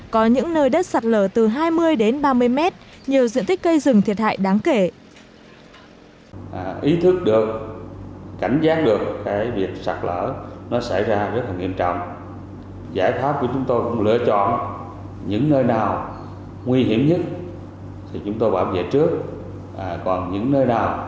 có những nơi đất sạt lở từ hai mươi đến ba mươi mét nhiều diện tích cây rừng thiệt hại đáng kể